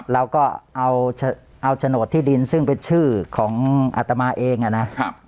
เราก็เอาโฉนดที่ดินซึ่งเป็นชื่อของอัตมาเองนะครับ